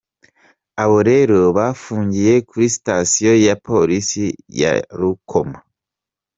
Abo rero bafungiye kuri sitasiyo ya Polisi ya Rukoma.